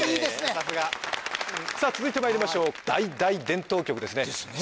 さすがさあ続いてまいりましょう大大伝統局ですねですね